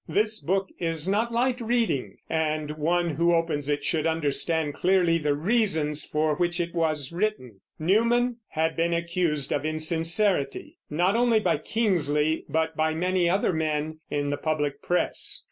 This book is not light reading and one who opens it should understand clearly the reasons for which it was written. Newman had been accused of insincerity, not only by Kingsley but by many other men, in the public press.